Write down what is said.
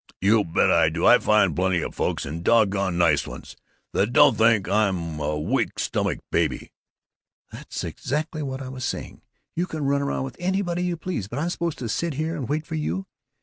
"You bet I do! I find plenty of folks, and doggone nice ones, that don't think I'm a weak stomached baby!" "That's exactly what I was saying! You can run around with anybody you please, but I'm supposed to sit here and wait for you.